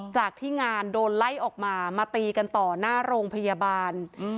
จากที่งานโดนไล่ออกมามาตีกันต่อหน้าโรงพยาบาล